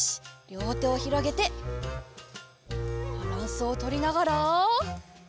りょうてをひろげてバランスをとりながら。